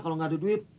kalau nggak ada duit